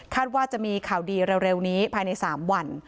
ว่าจะมีข่าวดีเร็วนี้ภายใน๓วัน